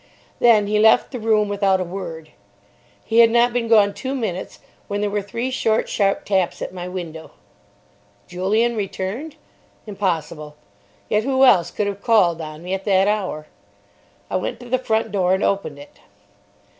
Then he left the room without a word. He had not been gone two minutes when there were three short, sharp taps at my window. Julian returned? Impossible. Yet who else could have called on me at that hour? I went to the front door, and opened it.